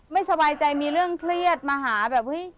ไม่สบายใจมีเรื่องเครียดมาหาแบบเฮ้ย